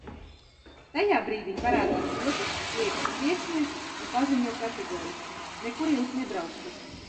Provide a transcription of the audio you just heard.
"Tajā brīdī parādās otrs, liekas, priekšnieks un paziņo kategoriski "nekur Jūs nebrauksiet"."